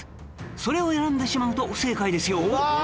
それを選んでしまうと不正解ですよ